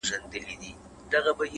لوړ شخصیت له کوچنیو کارونو ښکاري؛